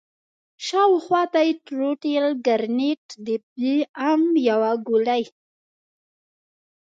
شاوخوا ته يې ټروټيل ګرنېټ د بي ام يو ګولۍ.